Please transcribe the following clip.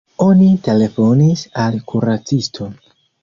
Oni telefonis al kuracisto.